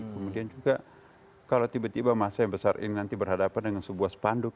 kemudian juga kalau tiba tiba masa yang besar ini nanti berhadapan dengan sebuah spanduk